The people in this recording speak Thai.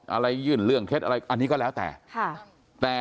ยื่นเรื่องเท็จอะไรอันนี้ก็แล้วแต่